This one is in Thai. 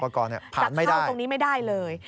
จะเข้าตรงนี้ไม่ได้เลย